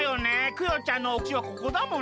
クヨちゃんのお口はここだもの。